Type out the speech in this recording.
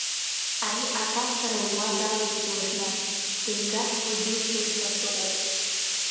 Ари аҭацара луа далагеит уажәнатә, дызгаҵәҟьо џьылшьоит ҳәа сыҟоуп…